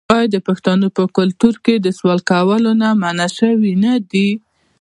آیا د پښتنو په کلتور کې د سوال کولو نه منع شوې نه ده؟